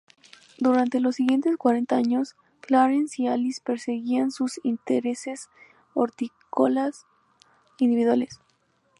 Durante los siguientes cuarenta años Clarence y Alice perseguían sus intereses hortícolas individuales.